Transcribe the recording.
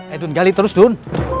ayo gali terus dun